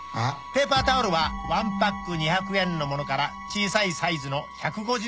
「ペーパータオルは１パック２００円のものから小さいサイズの１５０円のものに」